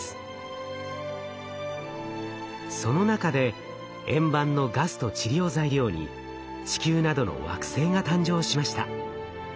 その中で円盤のガスとちりを材料に地球などの惑星が誕生しました。